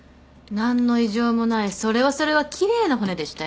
何の異常もないそれはそれは奇麗な骨でしたよ。